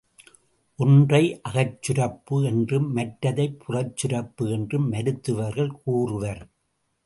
ஒன்றை அகச்சுரப்பு என்றும் மற்றதைப் புறச்சுரப்பு என்றும் மருத்துவர்கள் கூறுவர்.